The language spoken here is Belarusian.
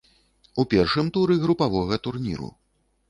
У першым туры групавога турніру.